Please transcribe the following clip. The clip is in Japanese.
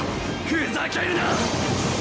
ふざけるな！